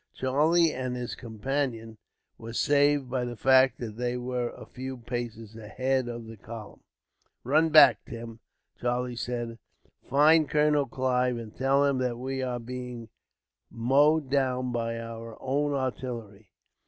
Charlie and his companion were saved by the fact that they were a few paces ahead of the column. "Run back, Tim," Charlie said. "Find Colonel Clive, and tell him that we are being mowed down by our own artillery.